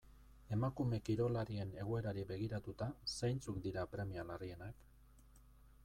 Emakume kirolarien egoerari begiratuta, zeintzuk dira premia larrienak?